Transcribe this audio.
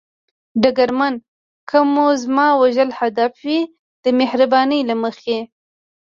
ډګرمن: که مو زما وژل هدف وي، د مهربانۍ له مخې.